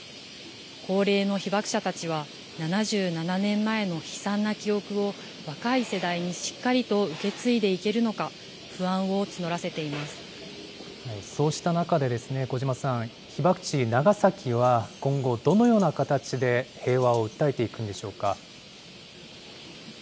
高齢の被爆者たちは、７７年前の悲惨な記憶を、若い世代にしっかりと受け継いでいけるのか、不安を募らせていまそうした中で小島さん、被爆地、長崎は、今後どのような形で平和を訴えていくんでしょうか。